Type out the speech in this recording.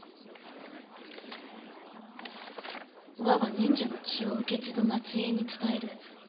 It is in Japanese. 「我が忍者の血を受け継ぐ末裔に伝える。